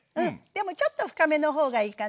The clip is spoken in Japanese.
でもちょっと深めの方がいいかな。